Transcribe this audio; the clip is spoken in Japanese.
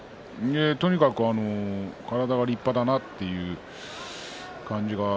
とにかく体は立派だなという感じが。